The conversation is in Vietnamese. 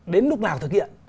đến lúc nào thực hiện